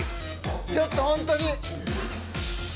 ちょっと本当に。